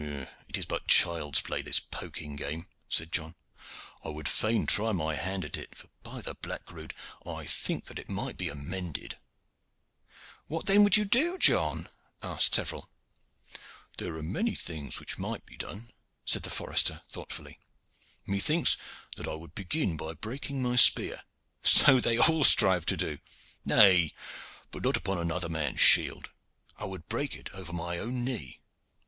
"It is but child's play, this poking game," said John. "I would fain try my hand at it, for, by the black rood! I think that it might be amended." "What then would you do, John?" asked several. "There are many things which might be done," said the forester thoughtfully. "Methinks that I would begin by breaking my spear." "So they all strive to do." "Nay, but not upon another man's shield. I would break it over my own knee."